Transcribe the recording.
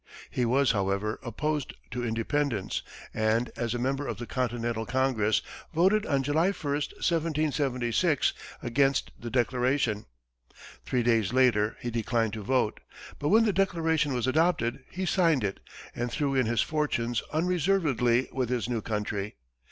He was, however, opposed to independence, and, as a member of the Continental Congress, voted on July 1, 1776, against the Declaration. Three days later he declined to vote, but when the Declaration was adopted, he signed it, and threw in his fortunes unreservedly with his new country.